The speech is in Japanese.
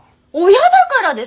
親だからでしょ！？